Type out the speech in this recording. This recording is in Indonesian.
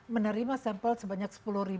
menerima sampel sebanyak